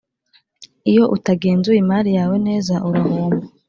Iyo utangenzuye imari yawe neza urahomba